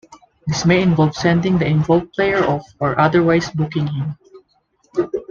This may involve sending the involved player off or otherwise booking him.